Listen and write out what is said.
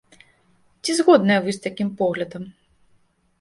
Ці згодныя вы з такім поглядам?